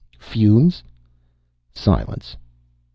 "Fumes." Silence.